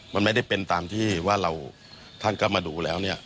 มันไม่ได้เป็นตามที่ว่าเราท่านก็มาดูแล้วเนี่ย